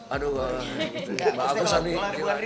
aduh bagus nih